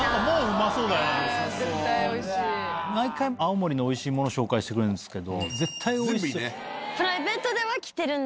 毎回青森のおいしいもの紹介してくれるんですけど。